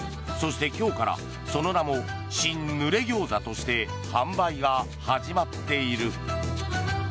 そして、今日からその名も新ぬれ餃子として販売が始まっている。